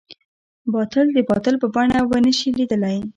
باطل د باطل په بڼه ونه شي ليدلی.